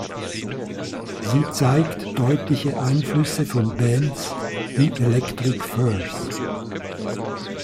Sie zeigt deutliche Einflüsse von Bands wie Electric Furs.